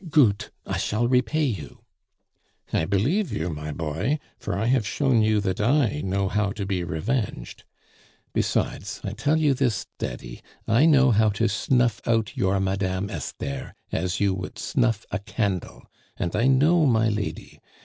"Goot, I shall repay you." "I believe you, my boy, for I have shown you that I know how to be revenged. Besides, I tell you this, daddy, I know how to snuff out your Madame Esther as you would snuff a candle. And I know my lady!